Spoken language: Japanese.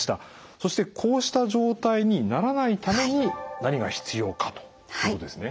そしてこうした状態にならないために何が必要かということですね。